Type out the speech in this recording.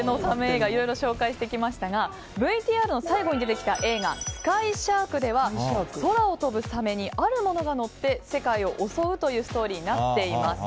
映画いろいろ紹介してきましたがＶＴＲの最後に出てきた映画「スカイ・シャーク」では空を飛ぶサメにあるものが乗って世界を襲うというストーリーになっています。